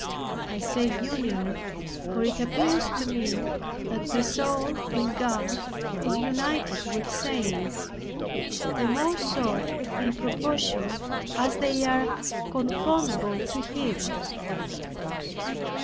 I say union, for it appears to me that the soul in God is united with saints, the more so in proportion as they are conformable to Him.